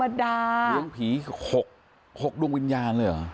เลี้ยงผี๖ดวงวิญญาณเลยเหรอ